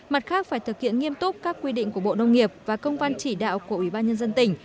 mặt khác phải thực hiện nghiêm túc các quy định của bộ nông nghiệp và công văn chỉ đạo của ủy ban nhân dân tỉnh